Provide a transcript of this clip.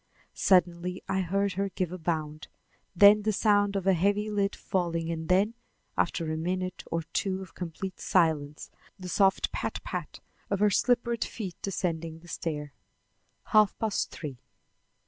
Suddenly I heard her give a bound, then the sound of a heavy lid falling and then, after a minute or two of complete silence, the soft pat pat of her slippered feet descending the stair. Half past three.